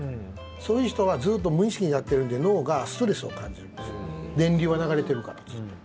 そういう人はずっと無意識にやっているので脳がストレスを感じるんです電流が流れてるから、ずっと。